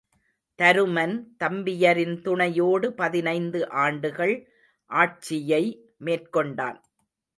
தருமன் தம்பியரின் துணையோடு பதினைந்து ஆண்டுகள் ஆட்சியை மேற்கொண்டான்.